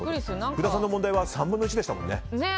福田さんの問題は３分の１でしたもんね。